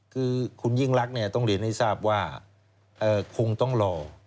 คือคุณยิ่งรักต้องเรียนให้ทราบว่าคงต้องรอ